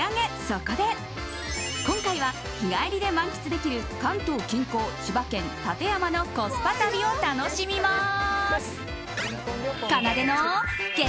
そこで今回は日帰りで満喫できる関東近郊、千葉県館山のコスパ旅を楽しみます。